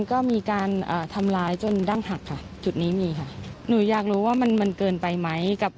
คัดคล้านกันประกันตัวนะครับ